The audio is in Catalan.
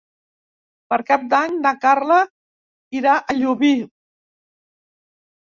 Per Cap d'Any na Carla irà a Llubí.